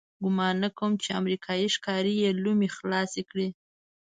ګمان نه کوم چې امریکایي ښکاري یې لومې خلاصې کړي.